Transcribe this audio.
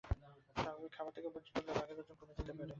স্বাভাবিক খাবার থেকে বঞ্চিত হলে বাঘের ওজন দ্রুত কমে যেতে পারে।